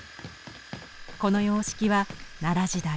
この様式は奈良時代